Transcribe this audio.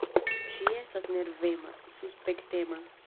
Ŝi estas nervema, suspektema.